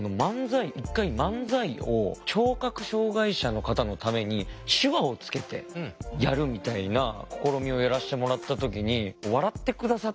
１回漫才を聴覚障害者の方のために手話をつけてやるみたいな試みをやらせてもらった時に笑って下さって。